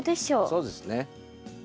そうですね。